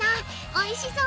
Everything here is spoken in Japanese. おいしい！